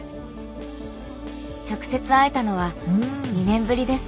直接会えたのは２年ぶりです。